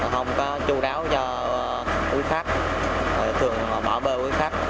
không có chú đáo cho quý khách thường bảo bê quý khách